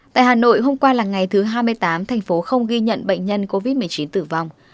tại hà nội hôm qua là ngày thứ hai mươi tám thành phố không ghi nhận bệnh nhân covid một mươi chín tử vong